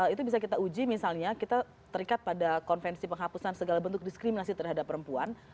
itu bisa kita uji misalnya kita terikat pada konvensi penghapusan segala bentuk diskriminasi terhadap perempuan